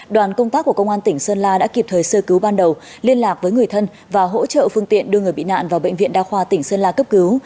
đoàn công tác của công an tỉnh sơn la đã kịp thời sơ cứu ban đầu liên lạc với người thân và hỗ trợ phương tiện đưa người bị nạn vào bệnh viện đa khoa tỉnh sơn la cấp cứu